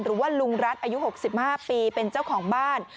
หรือว่าลุงรัฐอายุ๖๕ปีเป็นเจ้าของบ้าน